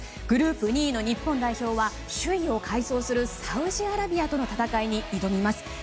グループ２位の日本代表は首位を快走するサウジアラビアとの戦いに挑みます。